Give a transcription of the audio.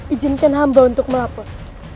ijinkan hamba untuk melapor